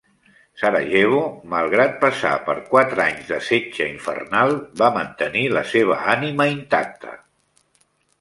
Sarajevo, malgrat passar per quatre anys de setge infernal, va mantenir la seva ànima intacta.